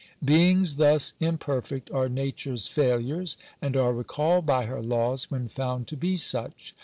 Beings thus imperfect are nature's failures, and are re called by her laws when found to be such.